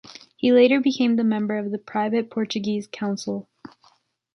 He later became member of the private Portuguese council.